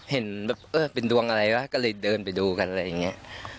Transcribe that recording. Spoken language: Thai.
เห็นแบบเออเป็นดวงอะไรวะก็เลยเดินไปดูกันอะไรอย่างนี้